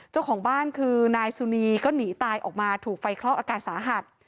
เจ้าของบ้านคือนายสุนีก็หนีตายออกมาถูกไฟคลอกอาการสาหัส